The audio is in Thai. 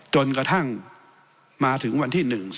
จนกระทั่งมาถึงวันที่๑๓